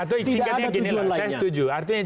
tidak ada tujuan lainnya